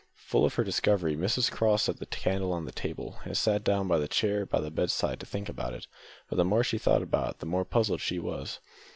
Full of her discovery, Mrs Craw set the candle on the table, and sat down on the chair by the bedside to think about it; but the more she thought about it the more puzzled she was.